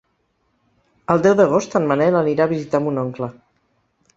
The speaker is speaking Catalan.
El deu d'agost en Manel anirà a visitar mon oncle.